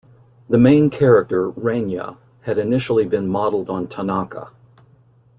The main character, Reinya, had initially been modeled on Tanaka.